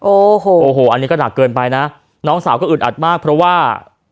โอ้โหโอ้โหอันนี้ก็หนักเกินไปนะน้องสาวก็อึดอัดมากเพราะว่า